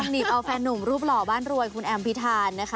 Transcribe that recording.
หนีบเอาแฟนหนุ่มรูปหล่อบ้านรวยคุณแอมพิธานนะคะ